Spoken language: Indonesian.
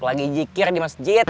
lagi jikir di masjid